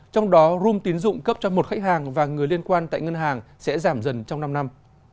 trong đó room tín dụng cấp cho một khách hàng và người liên quan tại ngân hàng sẽ giảm dần trong năm năm